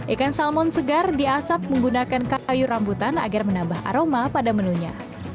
ikan salmon segar diasap menggunakan kayu rambutan agar menambah aroma pada menunya